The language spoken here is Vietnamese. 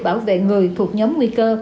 bảo vệ người thuộc nhóm nguy cơ